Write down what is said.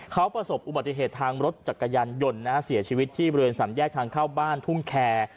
เขาประสบอุบัติเหตุทางรถจักรยานยนต์นะฮะเสียชีวิตที่บริเวณสามแยกทางเข้าบ้านทุ่งแคร์